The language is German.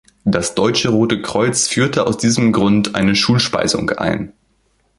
Das Deutsche Rote Kreuz führte aus diesem Grund eine Schulspeisung ein.